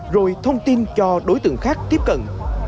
rồi thông tin cho đối tượng khác tiếp cận